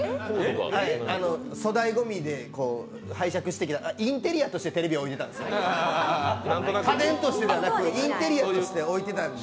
粗大ごみで、拝借してきたインテリアとしてテレビを置いてた、家電としてではなく、インテリアとして置いていたので。